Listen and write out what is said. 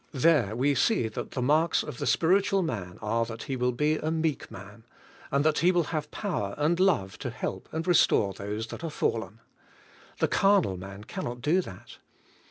There we see that the marks of the spiritual man are that he will be a meek man; and that he will have power, and love to help and restore those that are 18 CARNAL CHRISTIANS fallen. The carnal man can not do that.